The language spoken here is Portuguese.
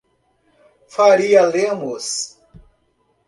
Faria Lemos